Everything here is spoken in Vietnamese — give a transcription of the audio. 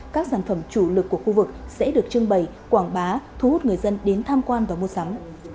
các sản phẩm chủ lực của khu vực sẽ được trưng bày quảng bá thu hút người dân đến tham quan và mua sắm